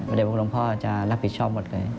พระเด็กพระคุณหลวงพ่อจะรับผิดชอบหมดเลย